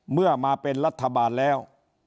เมื่อมาเป็นรัฐบาลแล้ว